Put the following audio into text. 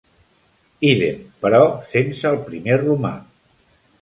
Ídem, però sense el primer romà.